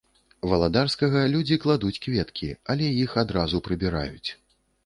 Валадарскага людзі кладуць кветкі, але іх адразу прыбіраюць.